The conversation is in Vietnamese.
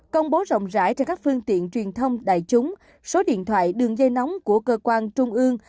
công bố rộng rãi trên các phương tiện truyền thông đại chúng số điện thoại đường dây nóng của cơ quan trung ương